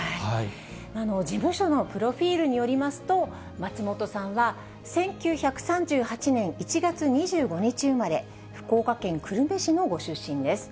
事務所のプロフィールによりますと、松本さんは１９３８年１月２５日生まれ、福岡県久留米市のご出身です。